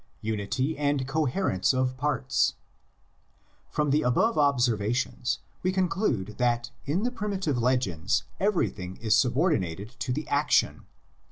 UNITY AND COHERENCE OF PARTS. From the above observations we conclude that in the primitive legends everything is subordinated to the action.